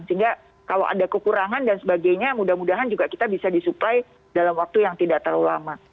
sehingga kalau ada kekurangan dan sebagainya mudah mudahan juga kita bisa disuplai dalam waktu yang tidak terlalu lama